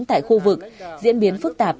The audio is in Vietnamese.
tại khu vực diễn biến phức tạp